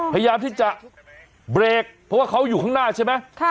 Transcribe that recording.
พยายามที่จะเบรกเพราะว่าเขาอยู่ข้างหน้าใช่ไหม